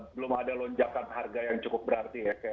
belum ada lonjakan harga yang cukup berarti ya